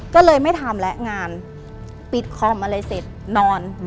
ก็เลยไม่ทำและงานปิดคอมอะไรเสร็จนอน